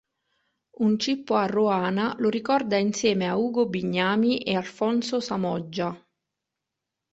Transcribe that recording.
Un cippo a Roana lo ricorda insieme a Ugo Bignami e Alfonso Samoggia.